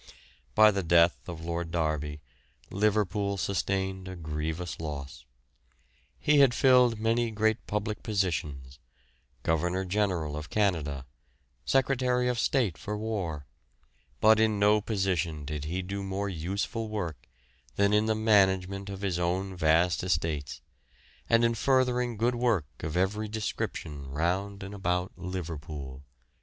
By the death of Lord Derby, Liverpool sustained a grievous loss. He had filled many great public positions Governor General of Canada, Secretary of State for War but in no position did he do more useful work than in the management of his own vast estates, and in furthering good work of every description round and about Liverpool.